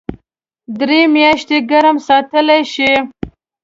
درې میاشتې ګرم ساتلی شي .